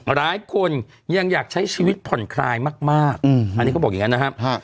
หลายคนยังอยากใช้ชีวิตผ่อนคลายมากอันนี้เขาบอกอย่างนั้นนะครับ